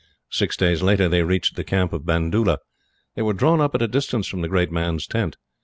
Six days later they reached the camp of Bandoola. They were drawn up at a distance from the great man's tent.